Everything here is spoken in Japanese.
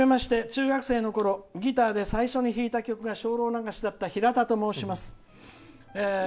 中学生のころギターで初めて弾いた曲が「精霊流し」だったひらたと申します。